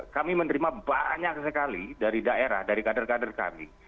kami menerima banyak sekali dari daerah dari kader kader kami